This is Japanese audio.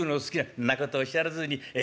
「んなことおっしゃらずにええ